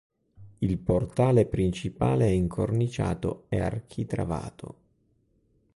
Il portale principale è incorniciato e architravato.